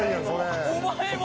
お前も！？